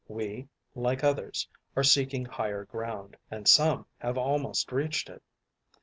We, like others, are seeking higher ground, and some have almost reached it.